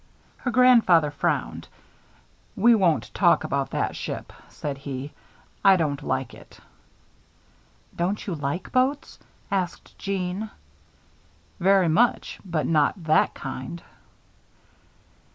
Her grandfather frowned. "We won't talk about that ship," said he. "I don't like it!" "Don't you like boats?" asked Jeanne. "Very much, but not that kind."